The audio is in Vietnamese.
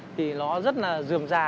thì nó rất là dườm già